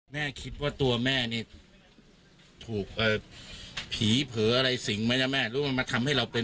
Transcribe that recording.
อยากรับตาค่ะเป็นเดินไม่ได้เดินไม่ได้แต่เมื่อกี้เห็น